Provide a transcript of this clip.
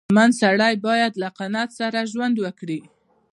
• شتمن سړی باید له قناعت سره ژوند وکړي.